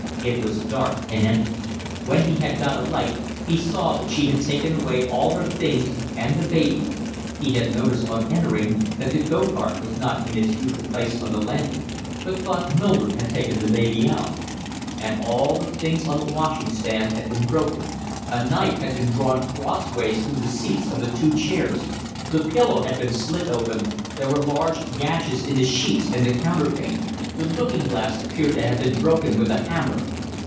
It was dark and empty. When he had got a light he saw that she had taken away all her things and the baby's (he had noticed on entering that the go cart was not in its usual place on the landing, but thought Mildred had taken the baby out;) and all the things on the washing stand had been broken, a knife had been drawn cross ways through the seats of the two chairs, the pillow had been slit open, there were large gashes in the sheets and the counterpane, the looking glass appeared to have been broken with a hammer.